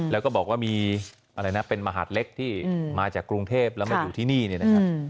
แล้วก็บอกว่ามีอะไรนะเป็นมหาดเล็กที่มาจากกรุงเทพแล้วมาอยู่ที่นี่เนี่ยนะครับ